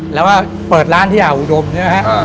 แล้วว่าเปิดร้านที่อาหุดมเนี่ยครับ